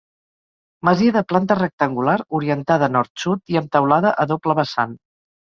Masia de planta rectangular, orientada nord-sud i amb teulada a doble vessant.